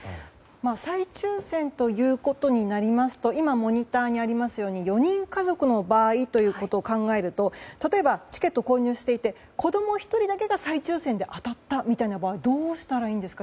再抽選となりますと今、モニターにありますように４人家族の場合で考えると例えばチケットを購入していて子供１人だけが再抽選で当たったみたいな場合はどうしたらいいんですか？